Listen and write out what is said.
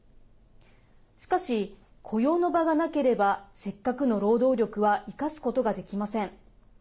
しかし、雇用の場がなければせっかくの労働力は生かすことができません。